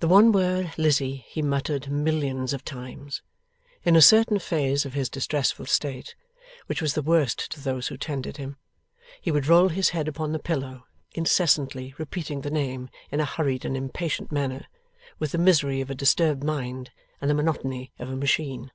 The one word, Lizzie, he muttered millions of times. In a certain phase of his distressful state, which was the worst to those who tended him, he would roll his head upon the pillow, incessantly repeating the name in a hurried and impatient manner, with the misery of a disturbed mind, and the monotony of a machine.